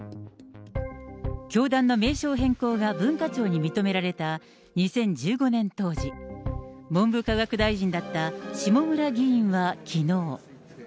教団の名称変更が文化庁に認められた２０１５年当時、文部科学大臣だった下村議員はきのう。